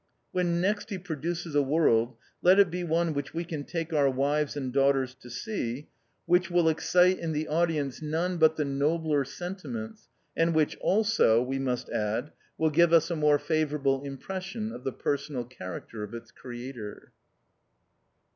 When next he pro duces a world let it be one which we can take our wives and daughters to see, which 48 THE OUTCAST. will excite in the audience none but the nobler sentiments, and which also, we must add, will give us a more favourable impres sion of the personal character of its Creator.